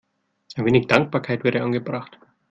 Ein wenig Dankbarkeit wäre angebracht.